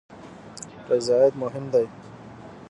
رضایت مهم دی